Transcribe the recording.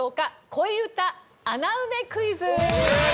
恋うた穴埋めクイズ！